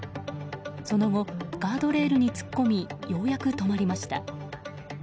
その後、ガードレールに突っ込みようやく止まりました。